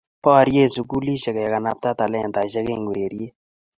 Borie sikulishiek kekanabta talentesiek eng ureriet.